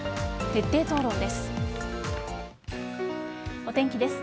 徹底討論です。